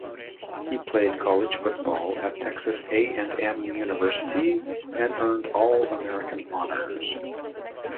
He played college football at Texas A and M University, and earned All-American honors.